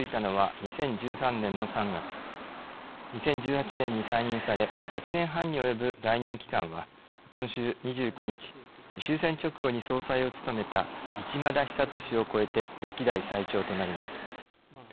２０１８年に再任され８年半に及ぶ在任期間は今週２９日終戦直後に総裁を務めた一萬田尚登氏を超えて歴代最長となります。